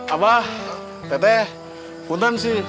abah tete konten sih